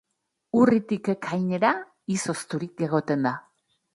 Urritik ekainera izozturik egoten da.